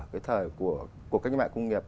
cái thời của các nhà mạng công nghiệp